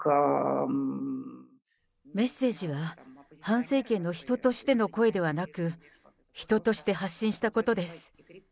メッセージは反政権の人としての声ではなく、人として発信したことです。